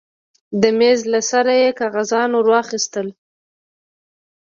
د مېز له سره يې کاغذان ورواخيستل.